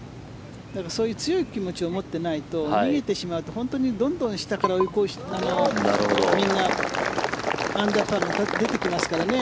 そういう強い気持ちを持っていないと逃げてしまうと本当にどんどん下からみんな、アンダーパーが出てきますからね。